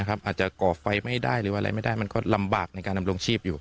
อาจจะก่อไฟไม่ได้หรืออะไรไม่ได้มันก็ลำบากในการดำรงชีพอยู่